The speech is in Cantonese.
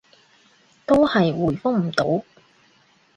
都係回覆唔到